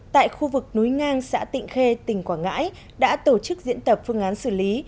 tại khu vực núi ngang xã tịnh khê tỉnh quảng ngãi đã tổ chức diễn tập phương án xử lý